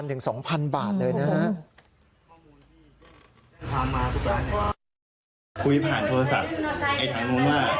คุยผ่านโทรศัพท์ในสถานงงว่า